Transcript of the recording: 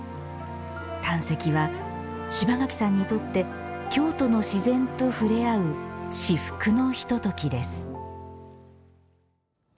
探石は、柴垣さんにとって京都の自然とふれあう至福のひとときです。